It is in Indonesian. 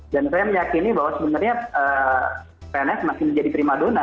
dan saya meyakini bahwa sebenarnya pns masih menjadi prima dona